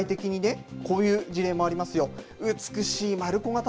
具体的にこういう事例もありますよ。